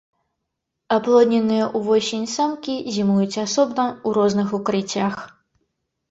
Аплодненыя ўвосень самкі зімуюць асобна ў розных укрыццях.